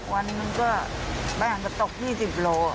วันนี้ก็แป้งก็ตก๒๐กิโล